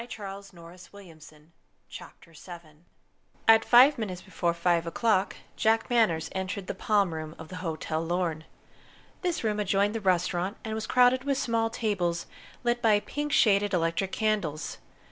CHAPTER VII WHAT JULIET TOLD JACK At five minutes before five o'clock Jack Manners entered the Palm Room of the Hotel Lorne. This room adjoined the restaurant, and was crowded with small tables lit by pink shaded electric candles.